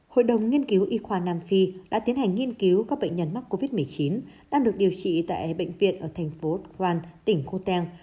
hội đồng nghiên cứu y khoa nam phi đã tiến hành nghiên cứu các bệnh nhân mắc covid một mươi chín đang được điều trị tại bệnh viện ở thành phố gran tỉnh cotel